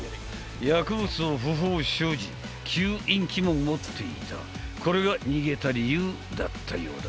薬物を不法所持吸引器も持っていたこれが逃げた理由だったようだ